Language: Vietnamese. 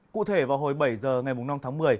cụ thể vào hồi bảy giờ ngày năm tháng một mươi